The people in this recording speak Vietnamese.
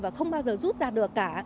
và không bao giờ rút ra được cả